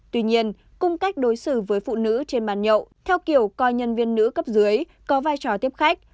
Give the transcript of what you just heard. tuy nhiên cung cách đối xử với phụ nữ trên bàn nhậu theo kiểu coi nhân viên nữ cấp dưới có vai trò tiếp khách